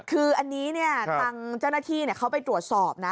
คืออันนี้ทางเจ้าหน้าที่เขาไปตรวจสอบนะ